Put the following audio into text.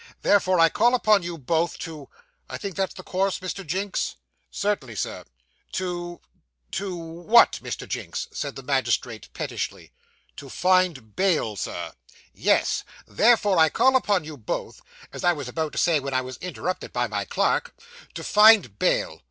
'Therefore, I call upon you both, to I think that's the course, Mr. Jinks?' 'Certainly, Sir.' 'To to what, Mr. Jinks?' said the magistrate pettishly. 'To find bail, sir.' 'Yes. Therefore, I call upon you both as I was about to say when I was interrupted by my clerk to find bail.